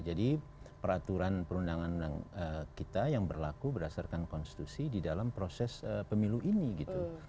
jadi peraturan perundangan kita yang berlaku berdasarkan konstitusi di dalam proses pemilu ini gitu